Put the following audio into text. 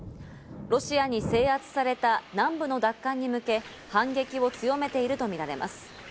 ロシアに制圧された南部の奪還に向け、反撃を強めているとみられます。